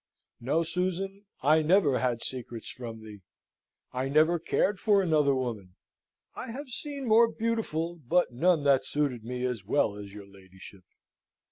No, Susan, I never had secrets from thee. I never cared for another woman. I have seen more beautiful, but none that suited me as well as your ladyship.